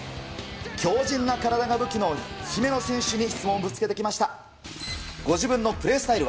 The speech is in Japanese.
強じんな体が武器の姫野選手に質問をぶつけてきました。